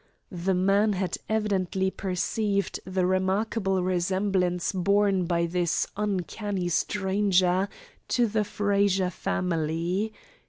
The man had evidently perceived the remarkable resemblance borne by this uncanny stranger to the Frazer family.